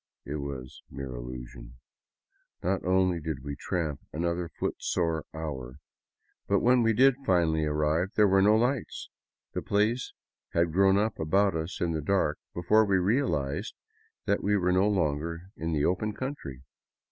It was mere illusion. Not only did we tramp another footsore hour, but when we did finally arrive, there were no lights. The place had grown up about us in the dark be fore we realized that we were no longer in the open country.